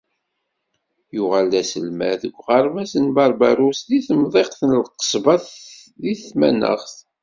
Yuɣal d aselmad deg uɣerbaz n Berberrus deg temḍiqt n Lqesba deg tmanaɣt.